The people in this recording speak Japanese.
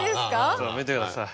ちょっと見てください。